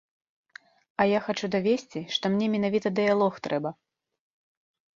А я хачу давесці, што мне менавіта дыялог трэба.